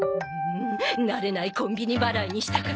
慣れないコンビニ払いにしたから。